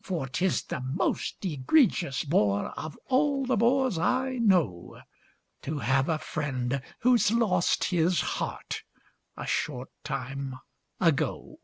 For 'tis the most egregious bore, Of all the bores I know, To have a friend who's lost his heart A short time ago.